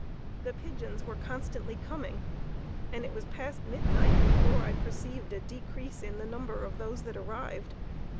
The pigeons were constantly coming, and it was past midnight before I perceived a decrease in the number of those that arrived.